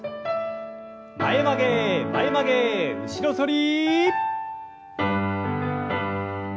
前曲げ前曲げ後ろ反り。